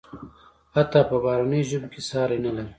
حتی په بهرنیو ژبو کې ساری نلري.